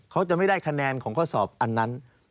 เขาจะไม่ได้คะแนนของข้อสอบอันนั้น